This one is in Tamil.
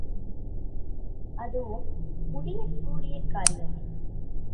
அதுவும் முடியக்கூடிய காரியமே.